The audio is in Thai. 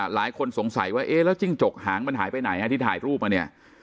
หลายคนสงสัยว่าเอ๊ะแล้วจิ้งจกหางมันหายไปไหนที่ถ่ายรูปมาเนี่ย